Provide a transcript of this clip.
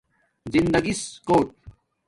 زندگݵس کوٹ